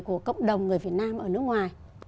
của cộng đồng người việt nam ở nước ngoài